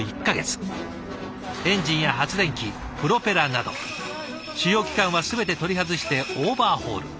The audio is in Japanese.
エンジンや発電機プロペラなど主要機関は全て取り外してオーバーホール。